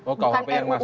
oh kuhp yang masih